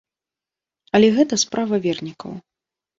Але гэта справа вернікаў.